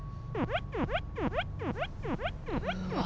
うわ。